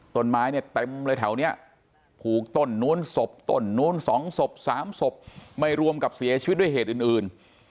ต้นไม้เนี่ยเต็มเลยแถวนี้ผูกต้นนู้นศพต้นนู้น๒ศพ๓ศพไม่รวมกับเสียชีวิตด้วยเหตุอื่น